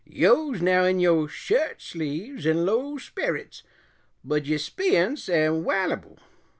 Yo's now in yo' shirt sleeves 'n' low sperrets, bud de speeyunce am wallyble.